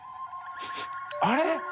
あれ？